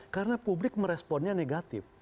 karena publik meresponnya negatif